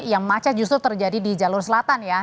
yang macet justru terjadi di jalur selatan ya